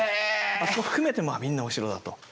あそこ含めてみんなお城だと。